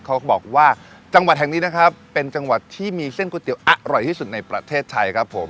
เขาบอกว่าจังหวัดแห่งนี้นะครับเป็นจังหวัดที่มีเส้นก๋วยเตี๋ยวอร่อยที่สุดในประเทศไทยครับผม